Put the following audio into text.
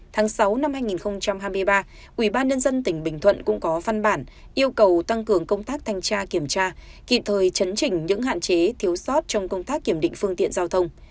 tháng sáu năm hai nghìn hai mươi ba ubnd tỉnh bình thuận cũng có văn bản yêu cầu tăng cường công tác thanh tra kiểm tra kịp thời chấn chỉnh những hạn chế thiếu sót trong công tác kiểm định phương tiện giao thông